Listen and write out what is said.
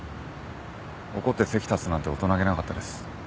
怒って席立つなんて大人げなかったです。